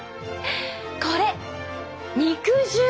これ肉汁。